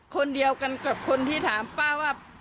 คนเดียวกันกับคนที่ถามป้าว่า